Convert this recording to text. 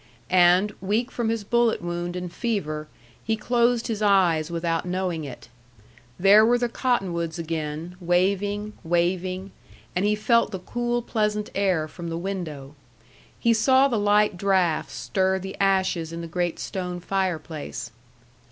And, weak from his bullet wound and fever, he closed his eyes without knowing it. There were the cottonwoods again, waving, waving; and he felt the cool, pleasant air from the window. He saw the light draught stir the ashes in the great stone fireplace.